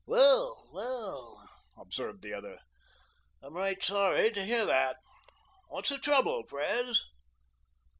"Well, well," observed the other. "I'm right sorry to hear that. What's the trouble, Pres?"